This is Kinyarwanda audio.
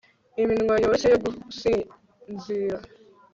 Iminwa yoroshye yo gusinzira